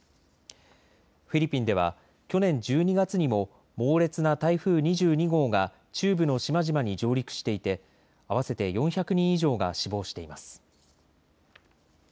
フィリピンでは去年１２月にも猛烈な台風２２号が中部の島々に上陸していて合わせて４００人以上が死亡しています。